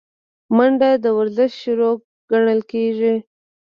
منډه د ورزش شروع ګڼل کېږي